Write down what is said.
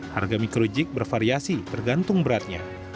harga micro jig bervariasi bergantung beratnya